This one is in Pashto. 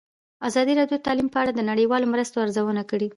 ازادي راډیو د تعلیم په اړه د نړیوالو مرستو ارزونه کړې.